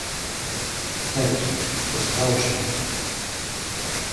Certo, estao sendo.